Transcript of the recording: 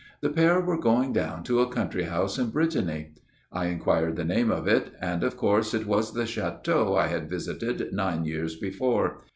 The pair were going down to a country house in Brittany. I inquired the name of it ; and of course it was the chateau I had visited nine years before.